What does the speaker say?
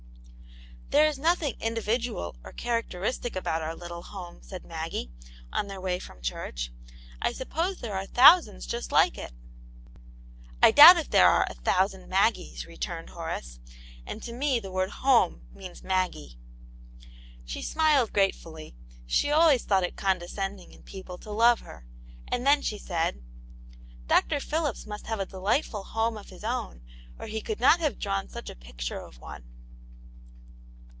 " There is nothing individual or characteristic about our little home," said Maggie, on their way from church, " I suppose there are thousands just like it." ''I doubt if there are a lYvoussiwd ^;x«^\^^" re Aunt yane^s Hero. , 109 turned Horace, *' and to me the word home means Maggie." She smiled gratefully; she always thought it condescending in people to love her, and then she said : "Dr. Philips must have a delightful home of his own, or he could not have drawn such a picture of one.